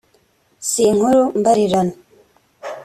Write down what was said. si nkuru mbarirano